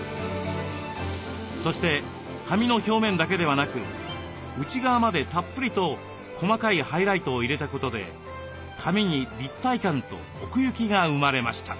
そして髪の表面だけでなく内側までたっぷりと細かいハイライトを入れたことで髪に立体感と奥行きが生まれました。